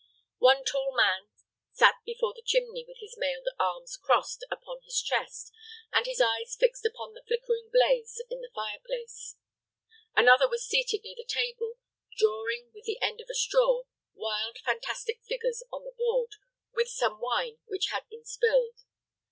One tall powerful man sat before the chimney with his mailed arms crossed upon his chest, and his eyes fixed upon the flickering blaze in the fire place. Another was seated near the table, drawing, with the end of a straw, wild, fantastic figures on the board with some wine which had been spilled.